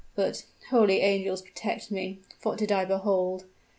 But holy angels protect me! what did I behold?